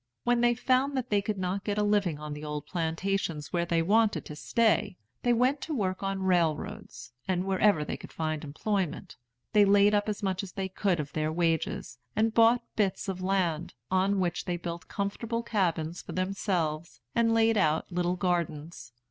When they found that they could not get a living on the old plantations where they wanted to stay, they went to work on railroads, and wherever they could find employment. They laid up as much as they could of their wages, and bought bits of land, on which they built comfortable cabins for themselves, and laid out little gardens.